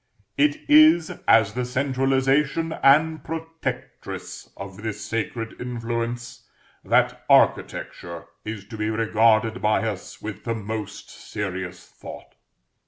It is as the centralisation and protectress of this sacred influence, that Architecture is to be regarded by us with the most serious thought.